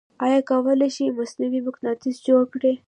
آیا کولی شئ مصنوعې مقناطیس جوړ کړئ؟